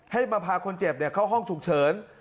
ให้มาพาคนเจ็บเข้าห้องฉุกเฉิน